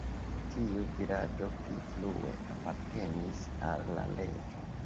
Tiu vilaĝo pli frue apartenis al la reĝo.